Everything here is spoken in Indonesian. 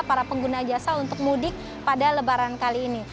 para pengguna jasa untuk mudik pada lebaran kali ini